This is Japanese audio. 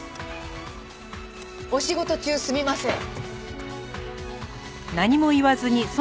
お仕事中すみません！